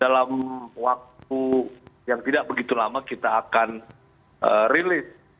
dalam waktu yang tidak begitu lama kita akan rilis